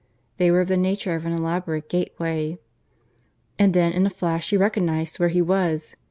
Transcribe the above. They were of the nature of an elaborate gateway. And then in a flash he recognized where he was.